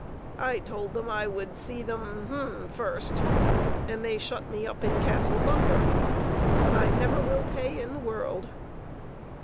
I told them I would see them first, and they shut me up in Castle Thunder; but I never will pay in the world."